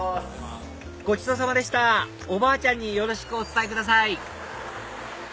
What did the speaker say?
ごちそうさまでしたおばあちゃんによろしくお伝えください